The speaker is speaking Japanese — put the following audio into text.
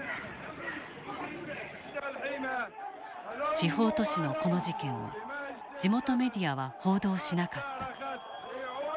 地方都市のこの事件を地元メディアは報道しなかった。